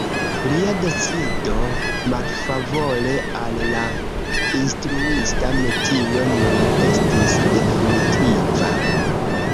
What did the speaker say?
Lia decido malfavore al la instruista metio nun estis definitiva.